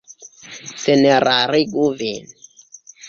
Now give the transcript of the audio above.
Senerarigu vin.